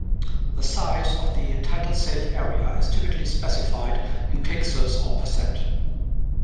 The size of the title-safe area is typically specified in pixels or percent.